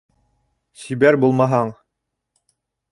Сибәр булмаһаң...